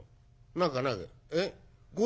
何かないか？